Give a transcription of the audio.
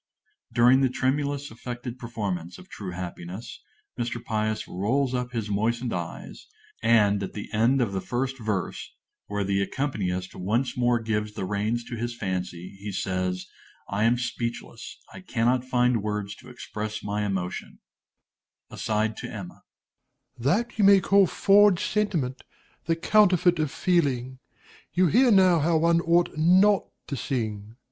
During the tremulous, affected performance of "True Happiness," Mr. Pious rolls up his moistened eyes; and, at the end of the first verse, where the accompanist once more gives the reins to his fancy, he says, "I am speechless, I cannot find words to express my emotion!"_) DOMINIE (aside to Emma). That you may call forged sentiment, the counterfeit of feeling. You hear now how one ought not to sing.